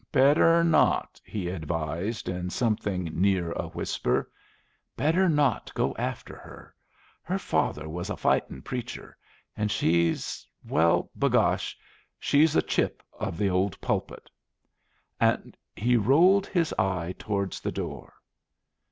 "Better not," he advised in something near a whisper. "Better not go after her. Her father was a fightin' preacher, and she's well, begosh! she's a chip of the old pulpit." And he rolled his eye towards the door.